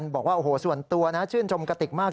บอกว่าโอ้โหส่วนตัวนะชื่นชมกระติกมาก